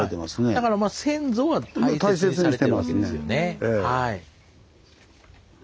だから先祖は大切にされてるわけですよね。